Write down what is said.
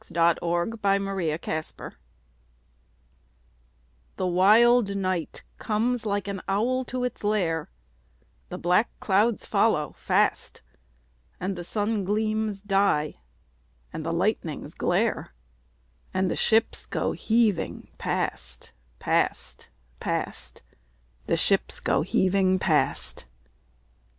God Help Our Men at Sea The wild night comes like an owl to its lair, The black clouds follow fast, And the sun gleams die, and the lightnings glare, And the ships go heaving past, past, past The ships go heaving past!